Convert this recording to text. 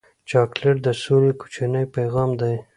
چاکلېټ د سولې کوچنی پیغام دی.